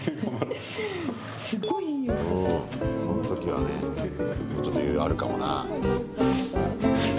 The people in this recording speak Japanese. その時はねもうちょっと余裕あるかもな。